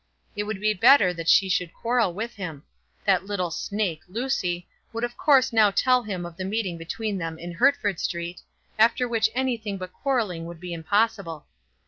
It would be better that she should quarrel with him. That little snake, Lucy, would of course now tell him of the meeting between them in Hertford Street, after which anything but quarrelling would be impossible.